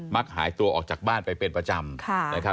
มักหายตัวออกจากบ้านไปเป็นประจำ